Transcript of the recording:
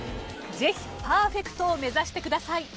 ぜひパーフェクトを目指してください。